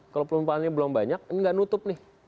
kalau penumpangnya belum banyak ini nggak nutup nih